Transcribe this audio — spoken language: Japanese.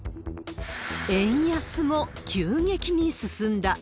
円安も急激に進んだ。